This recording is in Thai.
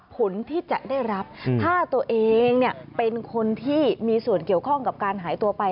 ผลที่จะได้รับถ้าตัวเองเป็นคนที่มีส่วนเกี่ยวข้องกับการหายตัวไป